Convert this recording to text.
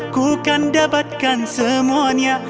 ku kan dapatkan semuanya